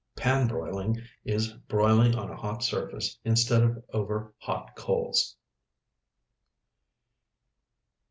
Pan broiling is broiling on a hot surface instead of over hot coals.